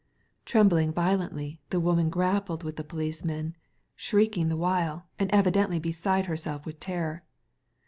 Trembling violently, the woman grappled with the policeman, shrieking the while, and evidently beside herself with terror.